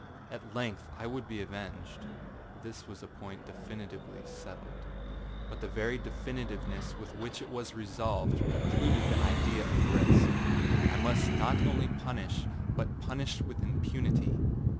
At length I would be avenged; this was a point definitively settledâbut the very definitiveness with which it was resolved, precluded the idea of risk. I must not only punish, but punish with impunity.